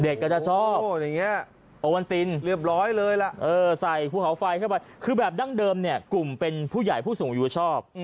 โอ้วเหนี๊ยะเรียบร้อยเลยละเออใส่ภูเขาไฟเข้าไปคือแบบดั้งเดิมเนี่ยกลุ่มเป็นผู้ใหญ่ผู้สูงอยู่ชอบ